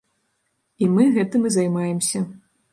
І мы гэтым і займаемся.